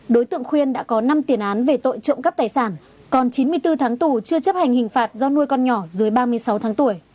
đối tượng khuyên đã có năm tiền án về tội trộm cắp tài sản còn chín mươi bốn tháng tù chưa chấp hành hình phạt do nuôi con nhỏ dưới ba mươi sáu tháng tuổi